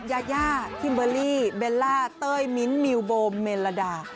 ยายาคิมเบอร์รี่เบลล่าเต้ยมิ้นท์มิวโบมเมลดา